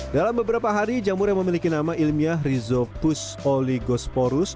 dalam beberapa hari jamur yang memiliki nama ilmiah rhizopus oligosporus